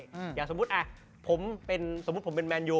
อย่างสมมุติสมมุติผมเป็นแมนยู